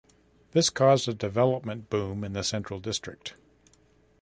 This caused a development boom in the Central District.